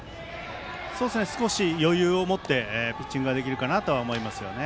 少し余裕を持ってピッチングができるかなとは思いますよね。